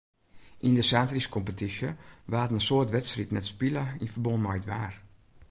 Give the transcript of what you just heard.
Yn de saterdeiskompetysje waarden in soad wedstriden net spile yn ferbân mei it waar.